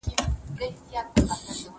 زوی وويل چي هلته يې لوړ قيمت راکړ.